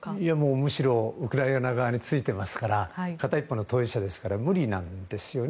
むしろウクライナ側についていますから片一方の当事者なので無理なんですよね。